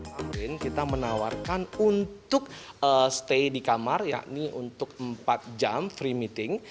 tamrin kita menawarkan untuk stay di kamar yakni untuk empat jam free meeting